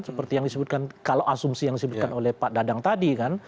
seperti yang disebutkan kalau asumsi yang disebutkan oleh pak dadang tadi kan